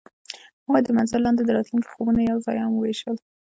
هغوی د منظر لاندې د راتلونکي خوبونه یوځای هم وویشل.